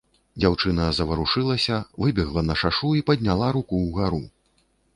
Дзяўчына заварушылася, выбегла на шашу і падняла руку ўгару.